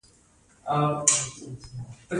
د ادرار د بندیدو لپاره د کدو د تخم او اوبو ګډول وکاروئ